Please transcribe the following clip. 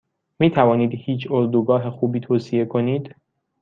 میتوانید هیچ اردوگاه خوبی توصیه کنید؟